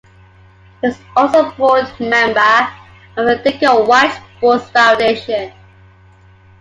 He was also a board member of the Duncan White Sports Foundation.